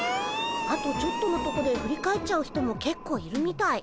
あとちょっとのとこで振り返っちゃう人もけっこういるみたい。